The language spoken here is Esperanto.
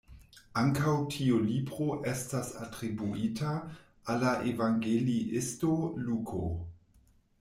Ankaŭ tiu libro estas atribuita al la evangeliisto Luko.